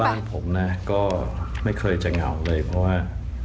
บ้านผมนะก็ไม่เคยจะเหงาเลยเพราะว่า